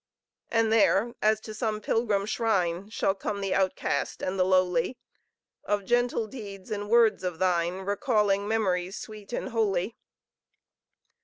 And there, as to some pilgrim shrine, Shall come the outcast and the lowly, Of gentle deeds and words of thine Recalling memories sweet and holy!